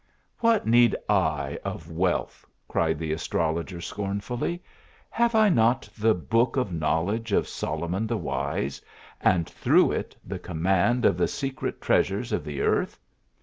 "What need I of wealth," cried the astrologer, scornfully ;" have I not the book of knowledge of Solomon the Wise, and through it, the command of the secret treasures of the earth